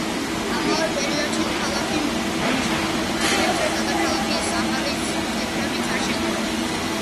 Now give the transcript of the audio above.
ამავე პერიოდში ქალაქი მნიშვნელოვნად გაიზარდა და ქალაქის ახალი კედლებიც აშენდა.